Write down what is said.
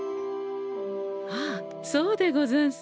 ああそうでござんす！